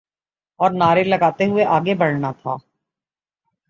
اورنعرے لگاتے ہوئے آگے بڑھنا تھا۔